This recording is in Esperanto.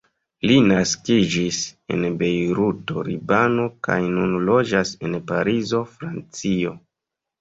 Li naskiĝis en Bejruto, Libano, kaj nun loĝas en Parizo, Francio.